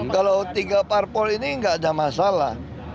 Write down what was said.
kalau tiga parpol ini nggak ada masalah